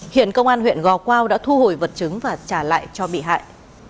hiện công an huyện gò quao đã thu hồi vật chứng và trả lại cho bị hại